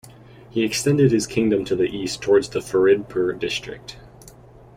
He extended his kingdom to the east towards the Faridpur district.